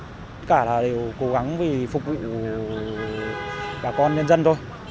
tất cả là đều cố gắng vì phục vụ bà con nhân dân thôi